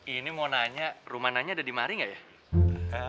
ini mau nanya rumah nanya ada di mari gak ya